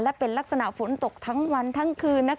และเป็นลักษณะฝนตกทั้งวันทั้งคืน